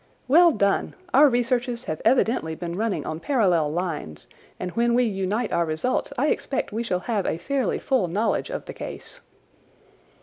"Well done! Our researches have evidently been running on parallel lines, and when we unite our results I expect we shall have a fairly full knowledge of the case."